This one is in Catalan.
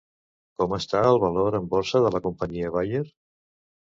Com està el valor en borsa de la companyia Bayer?